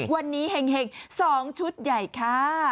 วันนี้เห็ง๒ชุดใหญ่ค่ะ